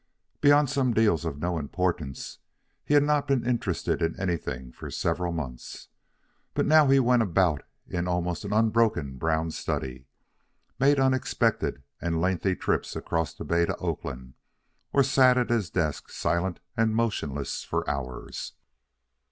Beyond some deals of no importance, he had not been interested in anything for several months. But now he went about in an almost unbroken brown study, made unexpected and lengthy trips across the bay to Oakland, or sat at his desk silent and motionless for hours.